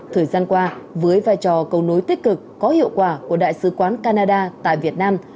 thời gian qua với vai trò cầu nối tích cực có hiệu quả của đại sứ quán canada tại việt nam